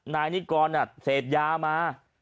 นายนิกรเสพยามา